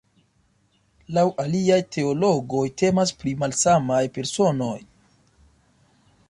Laŭ aliaj teologoj temas pri malsamaj personoj.